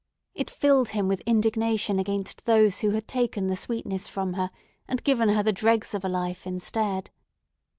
It filled him with indignation against those who had taken the sweetness from her and given her the dregs of a life instead.